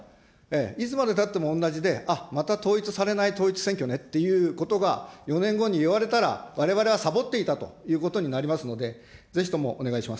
いつまでたってもおんなじで、また統一されない統一選挙ねっていうことが、４年後に言われたら、われわれはさぼっていたということになりますので、ぜひともお願いします。